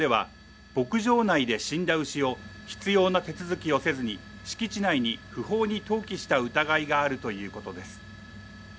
関係者によりますと、この牧場では、牧場内で死んだ牛を必要な手続きをせずに、敷地内に不法に投棄した疑いがあるということです。